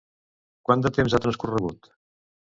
Quant de temps ha transcorregut?